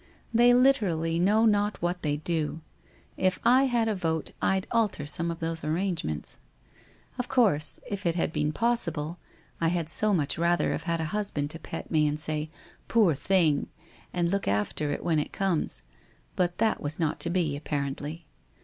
They literally know not what they do. If I had a vote I'd alter some of those arrangements. Of course, if it had been possible, I had so much rather have had a husband to pet me, and say, ' Poor thing !' and look after it when it comes; but that was not to be, apparently.